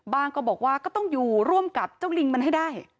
ก็บอกว่าก็ต้องอยู่ร่วมกับเจ้าลิงมันให้ได้